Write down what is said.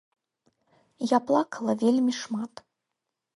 Я плакала вельмі шмат.